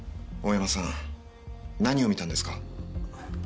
大山さん何を見たんですか？